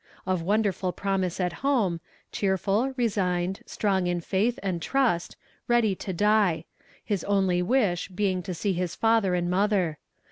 Of wonderful promise at home, cheerful, resigned, strong in faith and trust, ready to die; his only wish being to see his father and mother.